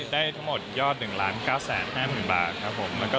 ได้ทั้งหมดยอดหนึ่งล้านเก้าแสดห้าหมื่นบาทครับผมแล้วก็